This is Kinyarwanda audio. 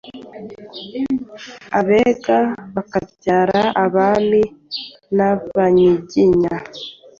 Abega bakabyarana Abami n’Abanyiginya.